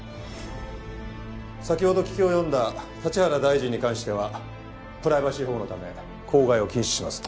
先ほど聞き及んだ立原大臣に関してはプライバシー保護のため口外を禁止します。